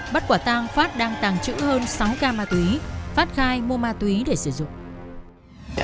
bắt quả tang phát đang tàng trữ hơn sáu gam ma túy phát khai mua ma túy để sử dụng